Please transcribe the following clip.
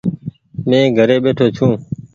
مين گهري ٻيٺو ڇو۔